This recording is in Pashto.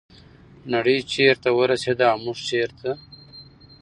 نړۍ چیرته ورسیده او موږ چیرته؟